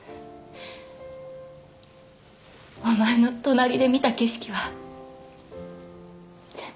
お前の隣で見た景色は全部。